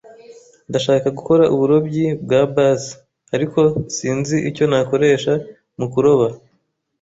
Ndashaka gukora uburobyi bwa bass, ariko sinzi icyo nakoresha mu kuroba.